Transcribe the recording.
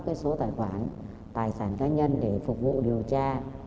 cái số tài khoản tài sản cá nhân để phục vụ điều tra